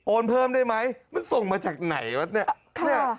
เพิ่มได้ไหมมันส่งมาจากไหนวะเนี่ย